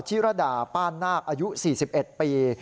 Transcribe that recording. ธิรดาป้านนาคอายุ๔๑ปี